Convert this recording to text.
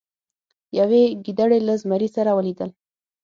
یوې ګیدړې له زمري سره ولیدل.